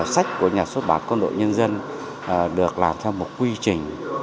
sách của nhà xuất bản quân đội nhân dân được làm theo một quy trình